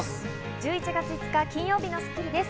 １１月５日、金曜日の『スッキリ』です。